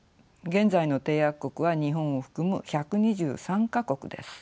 現在の締約国は日本を含む１２３か国です。